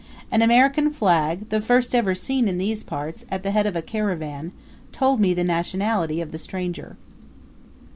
An American flag, the first ever seen in these parts, at the head of a caravan, told me the nationality of the stranger.